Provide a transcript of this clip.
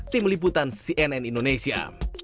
tim liputan cnn indonesia